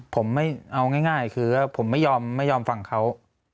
ผมไม่เอาง่ายคือว่าผมไม่ยอมไม่ยอมฟังเขา